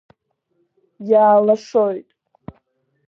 Иаалашоит.